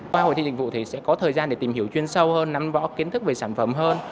qua hội thi dịch vụ thì sẽ có thời gian để tìm hiểu chuyên sâu hơn nắm rõ kiến thức về sản phẩm hơn